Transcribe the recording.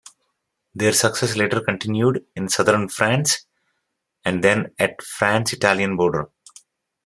Their success later continued in southern France and then at the France-Italian border.